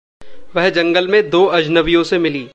वह जंगल में दो अजनबियों से मिली।